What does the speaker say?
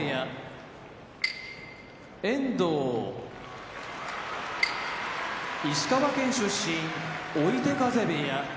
遠藤石川県出身追手風部屋